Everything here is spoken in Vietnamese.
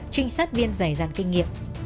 trinh sát viên dày dàn kinh nghiệm